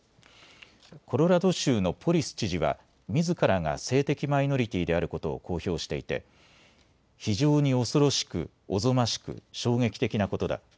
コロラド州のポリス知事はみずからが性的マイノリティーであることを公表していて非常に恐ろしくおぞましく衝撃的なことだ。